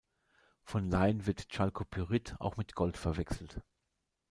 Von Laien wird Chalkopyrit auch mit Gold verwechselt.